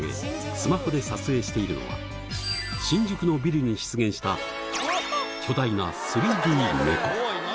スマホで撮影しているのは新宿のビルに出現した巨大な３Ｄ猫スゴい何？